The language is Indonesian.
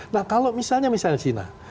nah kalau misalnya cina